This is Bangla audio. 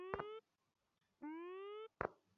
আপন রুচির জন্যে আমি পরের রুচির সমর্থন ভিক্ষে করি নে।